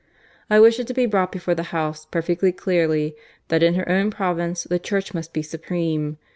"I wish it to be brought before the House, perfectly clearly, that in her own province the Church must be supreme.